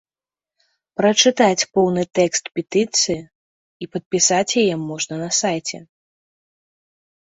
Прачытаць поўны тэкс петыцыі і падпісаць яе можна на сайце.